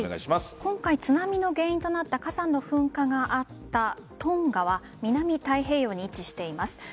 今回、津波の原因となった火山の噴火があったトンガは南太平洋に位置しています。